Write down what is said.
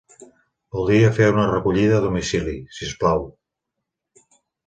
Voldria fer una recollida a domicili, si us plau.